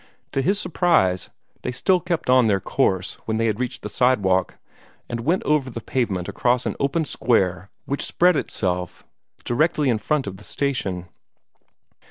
To his surprise, they still kept on their course when they had reached the sidewalk, and went over the pavement across an open square which spread itself directly in front of the station.